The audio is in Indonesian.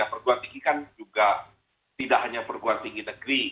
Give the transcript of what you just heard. perkeluaran tinggi kan juga tidak hanya perkeluaran tinggi negeri